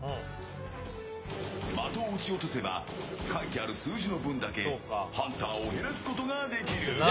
的を撃ち落とせば書いてある数字の分だけハンターを減らすことができる。